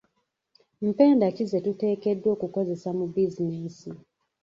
Mpenda ki ze tuteekeddwa okukozesa mu bizinensi?